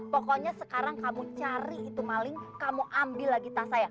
pokoknya sekarang kamu cari itu maling kamu ambil lagi tas saya